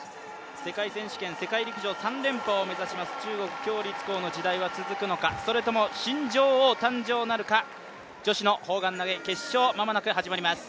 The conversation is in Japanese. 世界選手権、世界陸上３連覇を目指します中国・鞏立コウの時代が続くのかそれとも新女王誕生なるか、女子の砲丸投げ決勝が間もなく始まります。